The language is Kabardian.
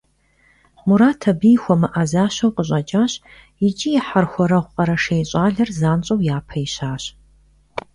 Мурат абыи хуэмыӏэзащэу къыщӏэкӏащ икӏи и хьэрхуэрэгъу къэрэшей щӏалэр занщӏэу япэ ищащ.